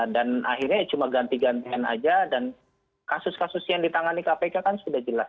dan akhirnya cuma ganti gantian aja dan kasus kasus yang ditangani kpk kan sudah jelas